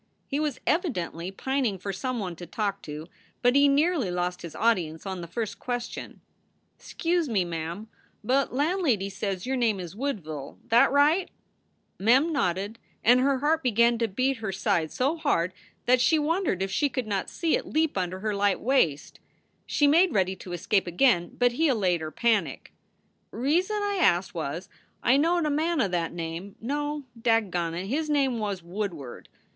He was evidently pining for some one to talk to, but he nearly lost his audience on the first question :" Scuse me, ma am, but landlady says your name is Woodville. That right ? Mem nodded, and her heart began to beat her side so hard that she wondered if he could not see it leap under her light waist. She made ready to escape again, but he allayed her panic: "Reason I ast was, I knowed a man o that name no, dadgone it! his name was Woodward.